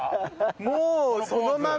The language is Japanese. もうそのまんま。